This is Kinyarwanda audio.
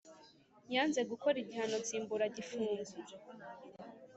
Yanze gukora igihano nsimbura gifungo